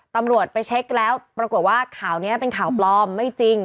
ตำรวจไปเช็คแล้วปรากฏว่าข่าวนี้เป็นข่าวปลอมไม่จริง